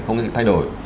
không có nhiều thay đổi